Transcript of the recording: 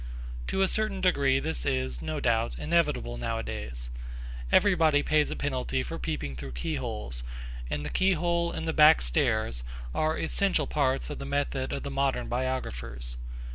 To a certain degree this is, no doubt, inevitable nowadays. Everybody pays a penalty for peeping through keyholes, and the keyhole and the backstairs are essential parts of the method of the modern biographers.